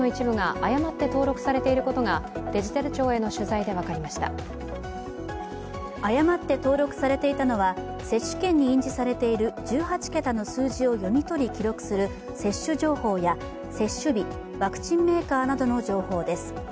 誤って登録されていたのは接種券に印字されている１８桁の数字を読み取り記録する接種情報や接種日、ワクチンメーカーなどの情報です。